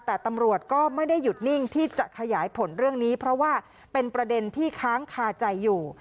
แต่ตำรวจก็ไม่ได้หยุดนิ่งที่จะขยายผลเรื่องนี้เพราะว่าเป็นประเด็นที่ค้างคาใจอยู่